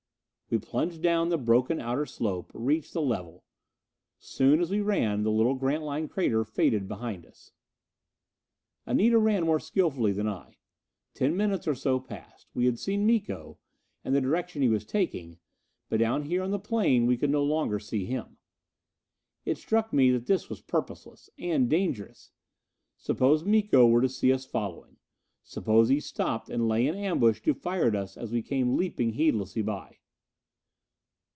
We plunged down the broken outer slope, reached the level. Soon, as we ran, the little Grantline crater faded behind us. Anita ran more skillfully than I. Ten minutes or so passed. We had seen Miko, and the direction he was taking, but down here on the plain we could no longer see him. It struck me that this was purposeless and dangerous. Suppose Miko were to see us following? Suppose he stopped and lay in ambush to fire at us as we came leaping heedlessly by?